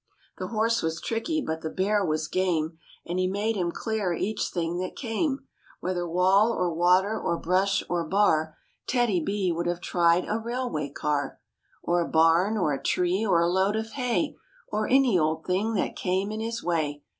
The horse was tricky, but the Bear was game And he made him clear each thing that came, Whether wall or water or brush or bar. TEDDY—B would have tried a railway car Or a bam or a tree or a load of hay Or any old thing that came in his way.